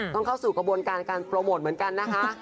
เข้าสู่กระบวนการการโปรโมทเหมือนกันนะคะ